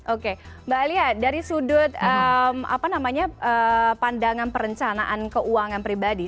oke mbak alia dari sudut pandangan perencanaan keuangan pribadi